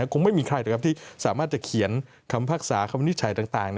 คงไม่มีใครที่สามารถจะเขียนคำภาคศาคำนิจฉัยต่าง